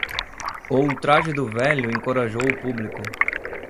O ultraje do velho encorajou o público.